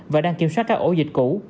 và đang kiểm soát các ổ dịch cũ